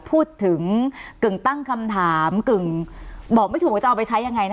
พูดถึงกึ่งตั้งคำถามกึ่งบอกไม่ถูกว่าจะเอาไปใช้ยังไงนะ